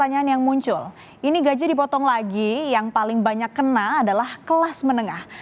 yang lagi yang paling banyak kena adalah kelas menengah